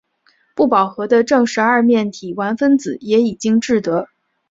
不饱和的正十二面体烷分子也已经制得。